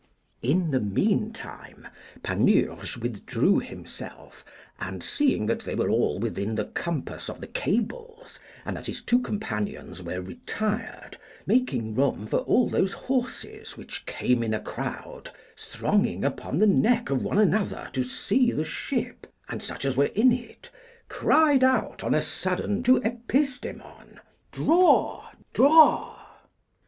In the meantime Panurge withdrew himself, and seeing that they were all within the compass of the cables, and that his two companions were retired, making room for all those horses which came in a crowd, thronging upon the neck of one another to see the ship and such as were in it, cried out on a sudden to Epistemon, Draw, draw!